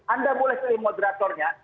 anda boleh jadi moderatornya